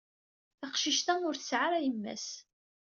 Taqcict-a ur tesɛi ara yemma-s.